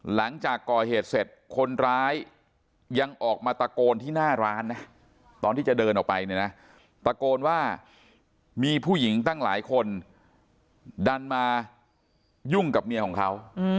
หลังจากก่อเหตุเสร็จคนร้ายยังออกมาตะโกนที่หน้าร้านนะตอนที่จะเดินออกไปเนี่ยนะตะโกนว่ามีผู้หญิงตั้งหลายคนดันมายุ่งกับเมียของเขา